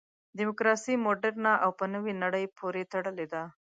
دیموکراسي مډرنه او په نوې نړۍ پورې تړلې ده.